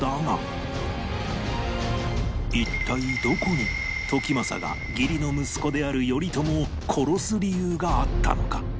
一体どこに時政が義理の息子である頼朝を殺す理由があったのか？